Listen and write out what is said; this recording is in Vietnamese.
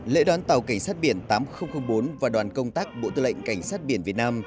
lễ đón tàu cảnh sát biển tám nghìn bốn và đoàn công tác bộ tư lệnh cảnh sát biển việt nam